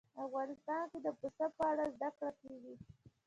افغانستان کې د پسه په اړه زده کړه کېږي.